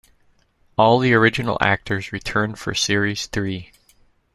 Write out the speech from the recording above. All the original actors returned for series three.